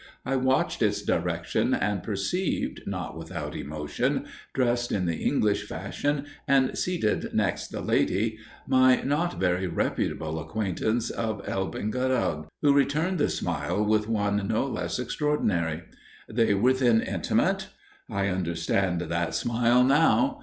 I watched its direction, and perceived, not without emotion, dressed in the English fashion, and seated next the lady, my not very reputable acquaintance of Elbingerode, who returned the smile with one no less extraordinary. They were then intimate? I understand that smile now.